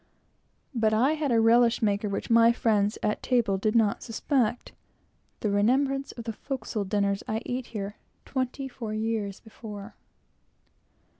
But I had a relish maker which my friends at table did not suspect the remembrance of the forecastle dinners I ate here twenty four years before.